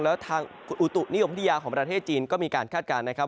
แล้วทางอุตุนิยมพัทยาของประเทศจีนก็มีการคาดการณ์นะครับ